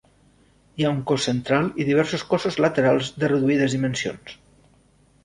Hi ha un cos central i diversos cossos laterals de reduïdes dimensions.